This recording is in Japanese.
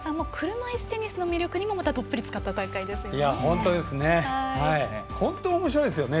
車いすテニスの魅力にもどっぷりつかった大会ですね。